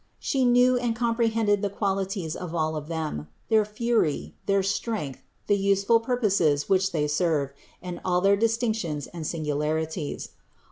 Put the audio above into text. She knew and comprehended the qualities of all of them : their fury, their strength, the useful purposes which they serve, and all their distinctions and singular ities.